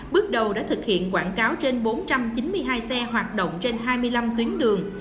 bước đầu đã thực hiện quảng cáo trên bốn trăm chín mươi hai xe hoạt động trên hai mươi năm tuyến đường